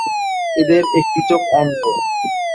এদের একটি চোখ অন্ধ।